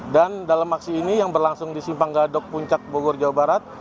dan dalam aksi ini yang berlangsung di simpang gadok puncak bogor jawa barat